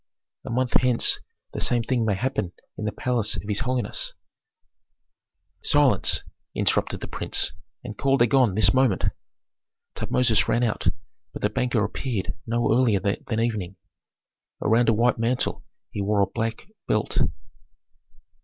A month hence the same thing may happen in the palace of his holiness " "Silence!" interrupted the prince, "and call Dagon this moment." Tutmosis ran out, but the banker appeared no earlier than evening. Around a white mantle he wore a black belt.